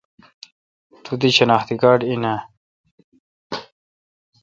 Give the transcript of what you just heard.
تو دی شناختی کارڈ این اؘ۔